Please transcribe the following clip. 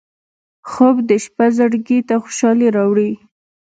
خوب د شپه زړګي ته خوشالي راوړي